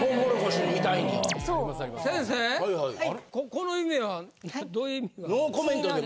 この夢はどういう意味が。